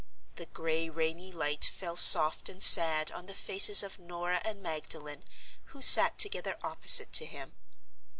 The gray rainy light fell soft and sad on the faces of Norah and Magdalen, who sat together opposite to him.